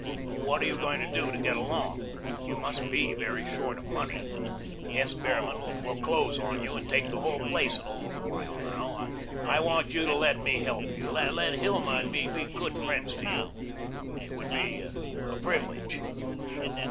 What are you going to do to get along? You must be very short of money. S. Behrman will foreclose on you and take the whole place in a little while, now. I want you to let me help you, let Hilma and me be good friends to you. It would be a privilege."